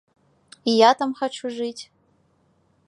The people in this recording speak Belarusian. І я там хачу жыць.